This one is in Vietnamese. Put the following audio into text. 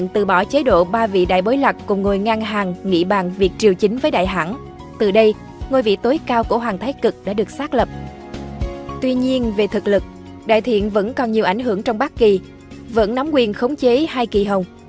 tuy nhiên về thực lực đại thiện vẫn còn nhiều ảnh hưởng trong bác kỳ vẫn nắm quyền khống chế hai kỳ hồng